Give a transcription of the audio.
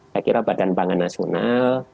saya kira badan pangan nasional